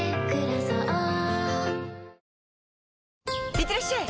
いってらっしゃい！